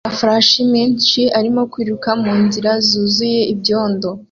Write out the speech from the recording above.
Amafarashi menshi arimo kwiruka mu nzira yuzuye ibyondo